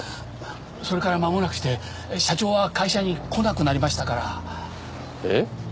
それからまもなくして社長は会社に来なくなりましたからえっ？